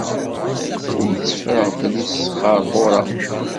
Ur tteffreɣ belli sxerxureɣ...